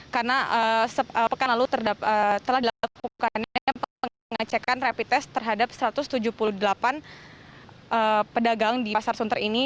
karena sepekan lalu telah dilakukan pengecekan rapid test terhadap satu ratus tujuh puluh delapan pedagang di pasar sunter ini